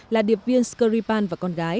là điệp viên skripal và con gái